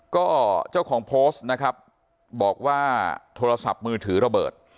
ก็เจ้าของโพสต์นะครับบอกว่าโทรศัพท์มือถือระเบิด